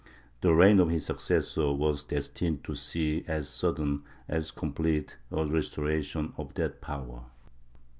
The reign of his successor was destined to see as sudden, as complete, a restoration of that power.